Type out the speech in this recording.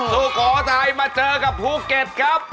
สุโขทัยมาเจอกับภูเก็ตครับ